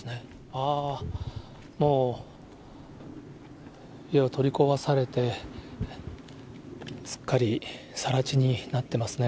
あー、もう家は取り壊されて、すっかりさら地になってますね。